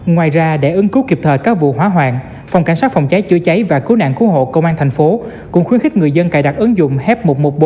ngoài ra để ứng cứu kịp thời các vụ hỏa hoạn phòng cảnh sát phòng cháy chữa cháy và cứu nạn cứu hộ công an thành phố cũng khuyến khích người dân cài đặt ứng dụng h một trăm một mươi bốn